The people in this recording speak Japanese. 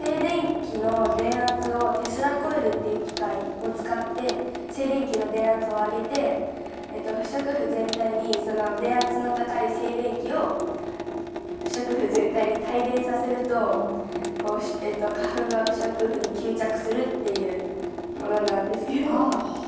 テスラコイルという機械を使って、静電気の電圧を上げて、不織布全体に電圧の高い静電気を、帯電させると花粉が不織布に吸着するというものなんですけど。